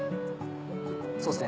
そうですね。